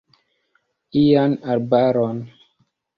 Ian arbaron.